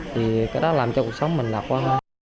thì cái đó làm cho cuộc sống mình lạc quá